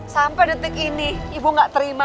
sampai detik ini ibu gak terima